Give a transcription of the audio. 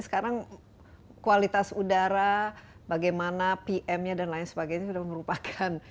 sekarang kualitas udara bagaimana pm nya dan lain sebagainya sudah merupakan